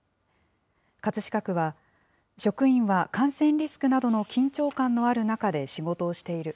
葛飾区は、職員は感染リスクなどの緊張感のある中で仕事をしている。